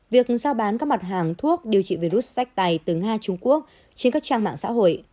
việc giao bán các mặt hàng thuốc điều trị virus sách tay từ nga trung quốc trên các trang mạng xã hội